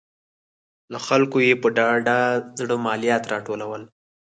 له خلکو یې په ډاډه زړه مالیات راټولول